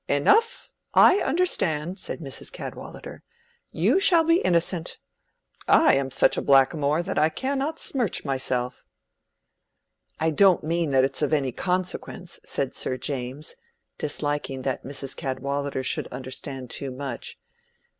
"Enough! I understand,"—said Mrs. Cadwallader. "You shall be innocent. I am such a blackamoor that I cannot smirch myself." "I don't mean that it's of any consequence," said Sir James, disliking that Mrs. Cadwallader should understand too much.